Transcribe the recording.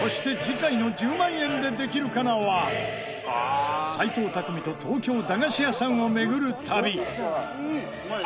そして斎藤工と東京駄菓子屋さんを巡る旅。